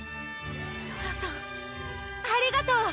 ソラさんありがとう！